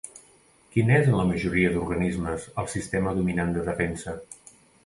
Quin és en la majoria d'organismes el sistema dominant de defensa?